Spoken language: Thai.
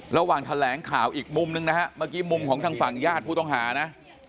ระหว่างแถลงข่าวอีกมุมนึงนะฮะเมื่อกี้มุมของทางฝั่งญาติผู้ต้องหานะ